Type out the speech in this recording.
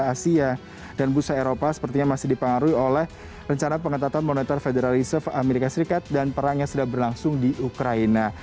asia dan bursa eropa sepertinya masih dipengaruhi oleh rencana pengetatan monitor federal reserve amerika serikat dan perang yang sudah berlangsung di ukraina